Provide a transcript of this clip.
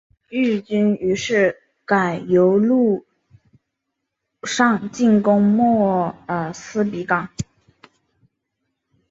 日军于是改由陆上进攻莫尔兹比港。